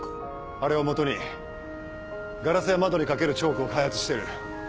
あれを基にガラスや窓に描けるチョークを開発してる。